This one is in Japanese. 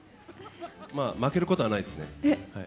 まあ、負けることはないですね。